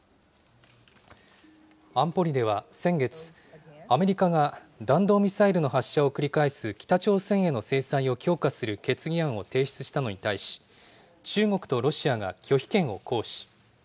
安保理では先月、アメリカが、弾道ミサイルの発射を繰り返す北朝鮮への制裁を強化する決議案を提出したのに対し、中国とロシアが拒否権を行使。